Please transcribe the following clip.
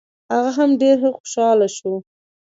هغه هم ډېر خوشحاله شو.